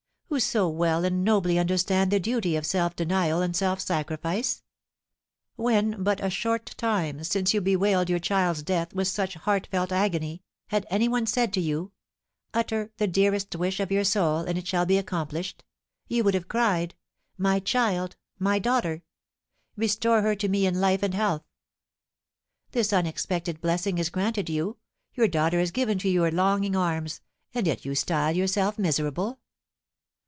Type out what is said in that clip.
Who so well and nobly understand the duty of self denial and self sacrifice? When but a short time since you bewailed your child's death with such heartfelt agony, had any one said to you, 'Utter the dearest wish of your soul and it shall be accomplished,' you would have cried, 'My child my daughter! Restore her to me in life and health!' This unexpected blessing is granted you, your daughter is given to your longing arms, and yet you style yourself miserable!